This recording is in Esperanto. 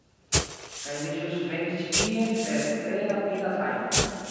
Kaj ni ĵus venis ĉi tien per tre rapida trajno.